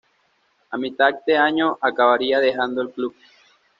A mitad de año acabaría dejando el club.